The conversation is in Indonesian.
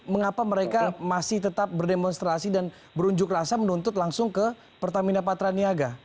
mengapa mereka masih tetap berdemonstrasi dan berunjuk rasa menuntut langsung ke pertamina patraniaga